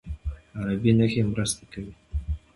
عربي نښې مرسته کوي.